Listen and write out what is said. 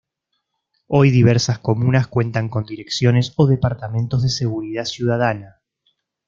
Hoy diversas comunas cuentan con direcciones o departamentos de seguridad ciudadana.